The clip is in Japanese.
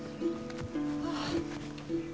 ああ。